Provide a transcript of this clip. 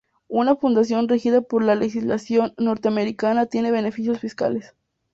Una fundación regida por la legislación norteamericana tiene beneficios fiscales.